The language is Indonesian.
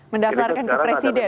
mendaftarkan ke presiden